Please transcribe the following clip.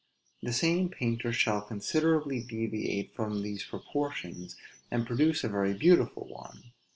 The same painter shall considerably deviate from these proportions, and produce a very beautiful one.